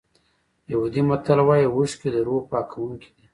یهودي متل وایي اوښکې د روح پاکوونکي دي.